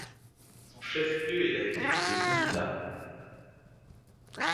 Son chef-lieu est la ville de Bomdila.